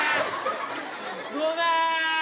ごめん。